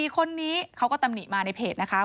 คนนี้เขาก็ตำหนิมาในเพจนะคะ